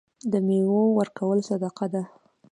د میوو ورکول صدقه ده.